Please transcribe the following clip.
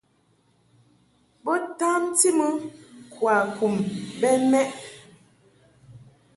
Bo tamti mɨ kwakum bɛ mɛʼ.